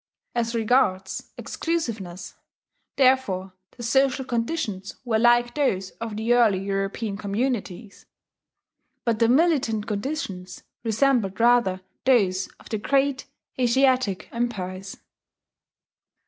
As regards exclusiveness, therefore, the social conditions were like those of the early European communities; but the militant conditions resembled rather those of the great Asiatic empires.